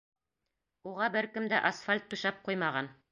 Уға бер кем дә асфальт түшәп ҡуймаған.